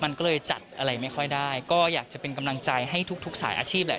มันก็เลยจัดอะไรไม่ค่อยได้ก็อยากจะเป็นกำลังใจให้ทุกสายอาชีพแหละ